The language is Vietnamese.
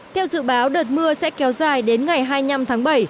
theo dự báo đợt mưa sẽ kéo dài đến ngày hai mươi năm tháng bảy